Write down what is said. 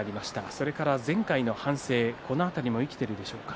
それから前回の反省をこの辺りも生きているでしょうか。